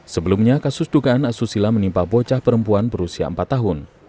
sebelumnya kasus dugaan asusila menimpa bocah perempuan berusia empat tahun